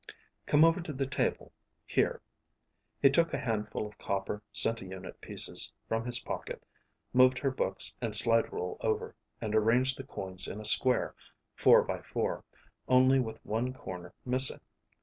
"Come over to the table. Here." He took a handful of copper centiunit pieces from his pocket, moved her books and slide rule over, and arranged the coins in a square, four by four, only with one corner missing.